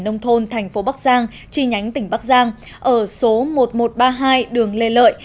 nông thôn tp bắc giang tri nhánh tỉnh bắc giang ở số một nghìn một trăm ba mươi hai đường lê lợi